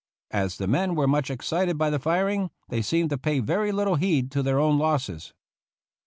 As the men were much ex cited by the firing, they seemed to pay very little heed to their own losses.